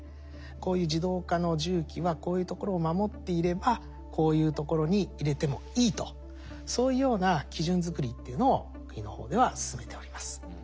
こういう自動化の重機はこういうところを守っていればこういうところに入れてもいいとそういうような基準作りというのを国の方では進めております。